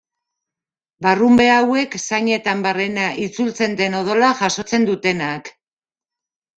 Barrunbe hauek zainetan barrena itzultzen den odola jasotzen dutenak.